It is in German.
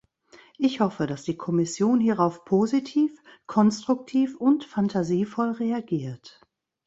Ich hoffe, dass die Kommission hierauf positiv, konstruktiv und phantasievoll reagiert.